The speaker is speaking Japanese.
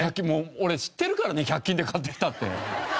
もう俺知ってるからね１００均で買ってきたって。